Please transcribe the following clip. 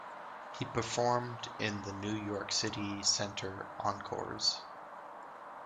He performed in the New York City Center Encores!